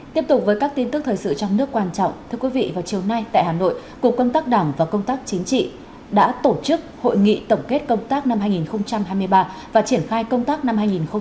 tiếp tục với các tin tức thời sự trong nước quan trọng thưa quý vị vào chiều nay tại hà nội cục công tác đảng và công tác chính trị đã tổ chức hội nghị tổng kết công tác năm hai nghìn hai mươi ba và triển khai công tác năm hai nghìn hai mươi bốn